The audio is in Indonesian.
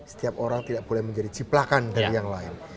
setiap orang tidak boleh menjadi ciplakan dari yang lain